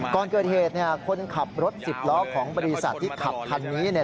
ก่อนเกิดเหตุคนขับรถ๑๐ล้อของบริษัทที่ขับคันนี้